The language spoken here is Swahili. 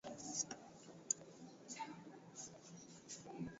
kuwahi kutokea duniani lakini kwa vigezo vya mchango kwa timu kipaji cha kipekee